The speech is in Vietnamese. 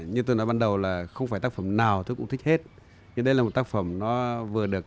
nhưng đây là một tác phẩm nó vừa được